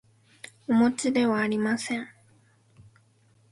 おもちではありません